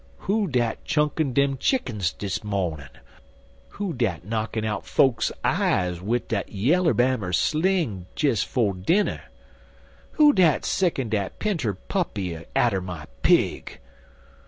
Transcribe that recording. "Who dat chunkin' dem chickens dis mawnin? Who dat knockin' out fokes's eyes wid dat Yallerbammer sling des 'fo' dinner? Who dat sickin' dat pinter puppy atter my pig?